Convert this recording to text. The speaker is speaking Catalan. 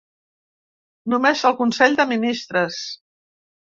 Només el consell de ministres.